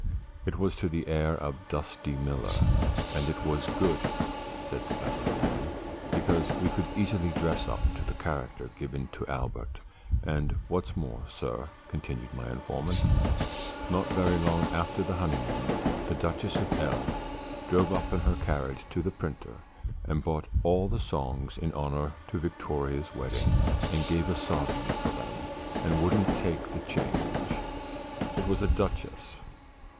It was to the air of "Dusty Miller;" and "it was good," said the ballad man, "because we could easily dress up to the character given to Albert. And what's more, sir," continued my informant, "not very long after the honeymoon, the Duchess of L drove up in her carriage to the printer's, and bought all the songs in honour to Victoria's wedding, and gave a sovereign for them and wouldn't take the change. It was a Duchess.